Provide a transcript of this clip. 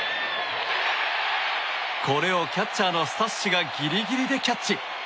これをキャッチャーのスタッシがギリギリでキャッチ！